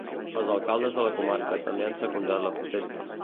Els alcaldes de la comarca també han secundat la protesta.